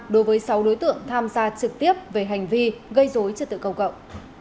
đối với sáu đối tượng tham gia trực tiếp về hành vi gây dối cho tựa cầu cộng